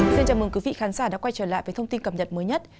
xin chào mừng quý vị khán giả đã quay trở lại với thông tin cập nhật mới nhất